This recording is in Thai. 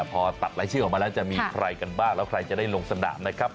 พอตัดรายชื่อออกมาแล้วจะมีใครกันบ้างแล้วใครจะได้ลงสนามนะครับ